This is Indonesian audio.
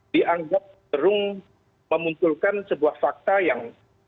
dianggap cenderung memunculkan sebuah fakta yang